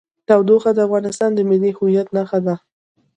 تودوخه د افغانستان د ملي هویت نښه ده.